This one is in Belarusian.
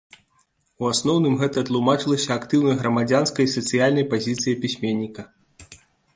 У асноўным гэта тлумачылася актыўнай грамадзянскай і сацыяльнай пазіцыяй пісьменніка.